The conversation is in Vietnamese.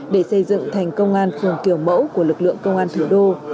để xây dựng thành công an phường kiểu mẫu của lực lượng công an thủ đô